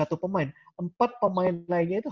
satu pemain empat pemain lainnya itu